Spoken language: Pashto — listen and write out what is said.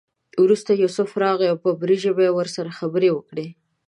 وروسته یوسف راغی او په عبري ژبه یې ورسره خبرې وکړې.